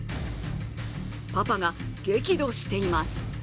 パパが激怒しています。